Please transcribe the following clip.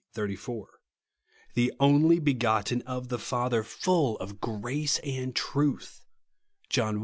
34) ;" the only begotten of the Father, full of grace and truth " (John i.